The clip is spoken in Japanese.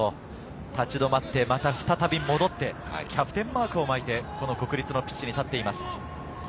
立ち止まって、また再び戻ってキャプテンマークを巻いて、国立のピッチに立っています。